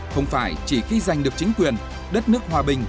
không phải chỉ khi giành được chính quyền đất nước hòa bình